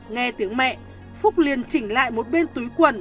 nghe tiếng mẹ phúc liên chỉnh lại một bên túi quần